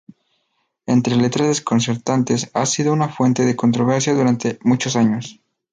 Estas letras desconcertantes han sido una fuente de controversia durante muchos años.